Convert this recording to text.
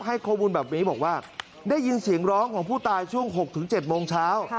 ให้ข้อมูลแบบนี้บอกว่าได้ยินเสียงร้องของผู้ตายช่วง๖๗โมงเช้า